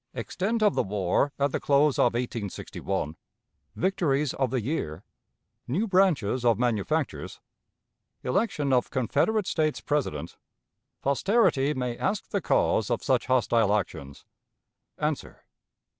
Extent of the War at the Close of 1861. Victories of the Year. New Branches of Manufactures. Election of Confederate States President. Posterity may ask the Cause of such Hostile Actions. Answer.